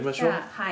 はい。